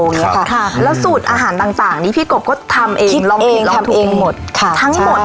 เจ๊ปูน่าหง่อ